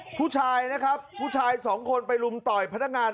ผู้ชายนะครับผู้ชายสองคนไปรุมต่อยพนักงาน